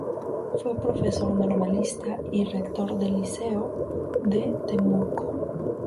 Fue profesor normalista y rector del Liceo de Temuco.